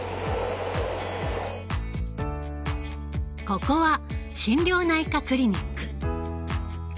ここは心療内科クリニック。